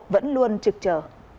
vẫn luôn trực trở